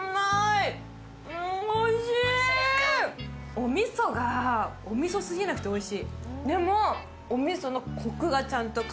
おみそが、おみそすぎなくておいしい。